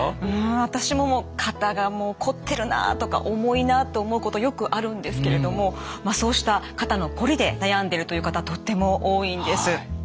うん私ももう肩がもうこってるなとか重いなと思うことよくあるんですけれどもそうした肩のこりで悩んでるという方とっても多いんです。